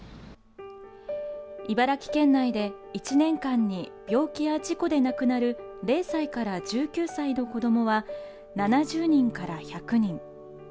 茨城県内で１年間に病気や事故で亡くなる０歳から１９歳の子どもは７０人から１００人。